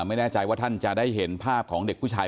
ไม่แน่ใจว่าท่านจะได้เห็นภาพของเด็กผู้ชาย